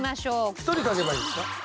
１人書けばいいんですか？